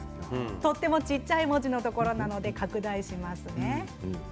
とても小さい文字のところなので拡大しますね。